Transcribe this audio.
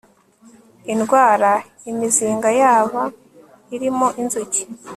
indwara imizinga yaba irimo inzuki